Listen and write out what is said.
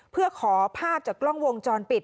เพื่อขอภาพจากกล้องวงจรปิด